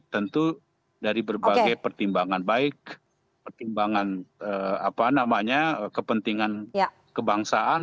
tentu dari berbagai pertimbangan baik pertimbangan kepentingan kebangsaan